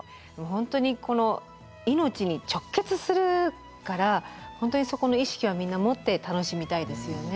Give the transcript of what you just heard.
本当にこの命に直結するから本当にそこの意識はみんな持って楽しみたいですよね。